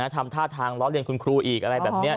ทำท่าทางล้อเลียนคุณครูอีกอะไรแบบนี้